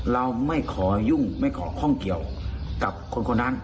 เราไม่ขอยุ่งไม่ขอข้องเกี่ยวกับคนนั้น